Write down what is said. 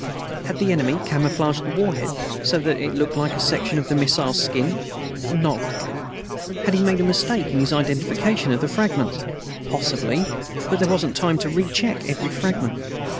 Had the enemy camouflaged the warhead so that it looked like a section of the missile's skin? Not likely. Had he made a mistake in his identification of the fragments? Possibly, but there wasn't time to recheck every fragment.